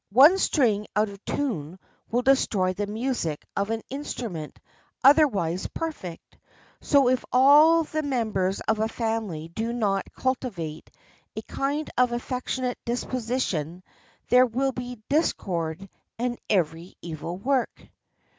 One string out of tune will destroy the music of an instrument otherwise perfect, so if all the members of a family do not cultivate a kind and affectionate disposition there will be discord and every evil work.